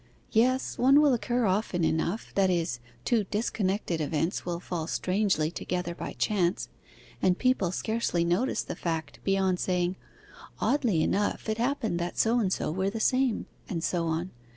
'Yes, one will occur often enough that is, two disconnected events will fall strangely together by chance, and people scarcely notice the fact beyond saying, "Oddly enough it happened that so and so were the same," and so on.